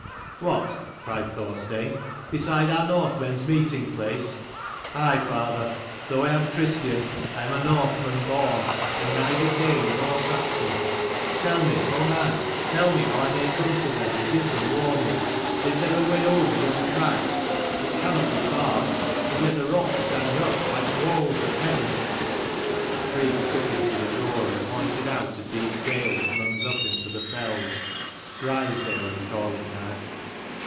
" What," cried Thorstein, " beside our Northmen's meeting place? Aye, father, though I am Christian, I am a Northman born, and neither Dane nor Saxon. Tell me, oh man, tell me how I may come to them and give them warning. Is there a way over yon crags? It cannot be far: and yet the rocks stand up like walls of heaven." The priest took him to the door and pointed out a deep dale that runs up into the fells : Grizedale we call it now.